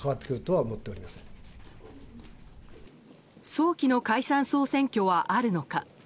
早期の解散・総選挙はあるのか。